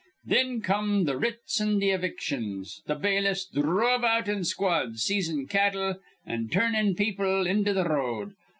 "Thin come th' writs an' th' evictions. Th' bailiffs dhrove out in squads, seizin' cattle an' turnin' people into th' r road.